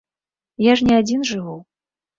Я ж не адзін жыву.